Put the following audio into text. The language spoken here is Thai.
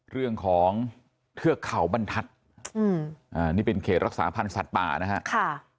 เรื่องของเทือกเขาบรรทัศน์นี่เป็นเขตรักษาพันธ์สัตว์ป่านะฮะ